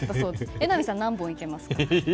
榎並さん、何本いけますか？